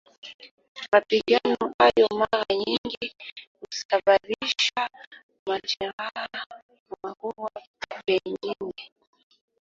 Mapigano hayo mara nyingi husababisha majeraha, makubwa pengine.